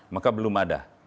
maka belum ada